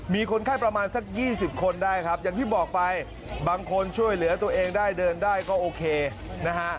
มีคนไข้ประมาณสัก๒๐คนได้ครับอย่างที่บอกไปบางคนช่วยเหลือตัวเองได้เดินได้ก็โอเคนะฮะ